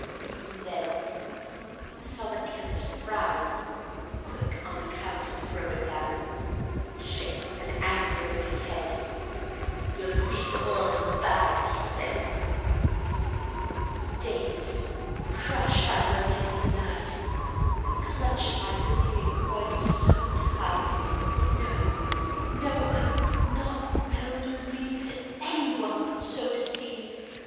And then I saw the chemist frown, Quick on the counter throw it down, Shake with an angry look his head: "Your louis d'or is bad," he said. Dazed, crushed, I went into the night, I clutched my gleaming coin so tight. No, no, I could not well believe That any one could so deceive.